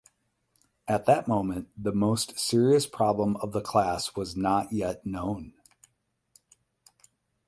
At that moment the most serious problem of the class was not yet known.